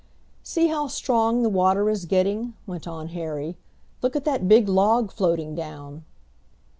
"See how strong the water is getting," went on Harry. "Look at that big log floating down."